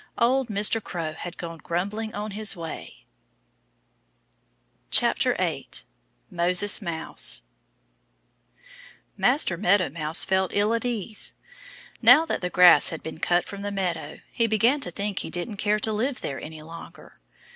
Old Mr. Crow had gone grumbling on his way. 8 Moses Mouse MASTER MEADOW MOUSE felt ill at ease. Now that the grass had been cut from the meadow he began to think he didn't care to live there any longer.